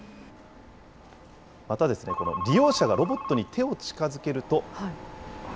また、この利用者がロボットに手を近づけると。